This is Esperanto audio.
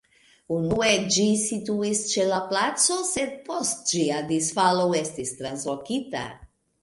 Unue ĝi situis ĉe la placo, sed post ĝia disfalo estis translokita.